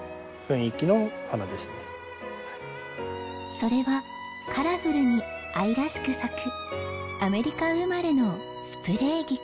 それはカラフルに愛らしく咲くアメリカ生まれのスプレーギク。